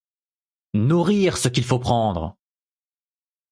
Nourrir ce qu’il faut pendre !